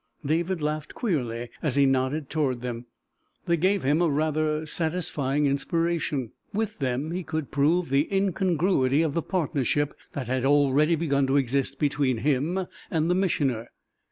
David laughed queerly as he nodded toward them. They gave him a rather satisfying inspiration. With them he could prove the incongruity of the partnership that had already begun to exist between him and the Missioner.